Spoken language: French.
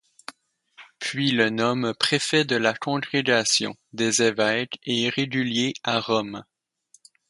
Puis le nomme préfet de la Congrégation des évêques et réguliers à Rome.